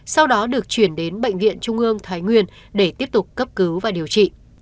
sau đó được chuyển đến bệnh viện trung ương thái nguyên để tiếp tục cấp cứu và điều trị